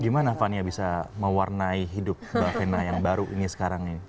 gimana fania bisa mewarnai hidup mbak vena yang baru ini sekarang ini